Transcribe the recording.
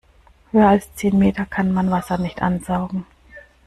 Höher als zehn Meter kann man Wasser nicht ansaugen.